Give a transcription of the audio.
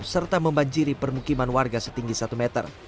serta membanjiri permukiman warga setinggi satu meter